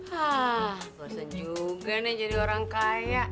hah bosan juga nih jadi orang kaya